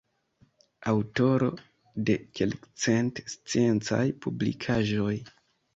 Aŭtoro de kelkcent sciencaj publikaĵoj.